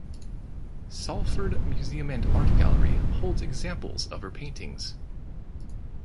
Salford Museum and Art Gallery holds examples of her paintings.